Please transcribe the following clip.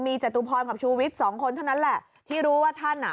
จตุพรกับชูวิทย์สองคนเท่านั้นแหละที่รู้ว่าท่านอ่ะ